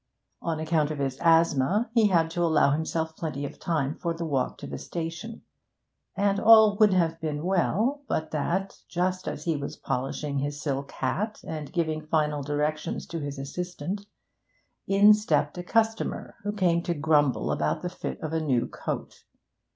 On account of his asthma he had to allow himself plenty of time for the walk to the station; and all would have been well, but that, just as he was polishing his silk hat and giving final directions to his assistant, in stepped a customer, who came to grumble about the fit of a new coat.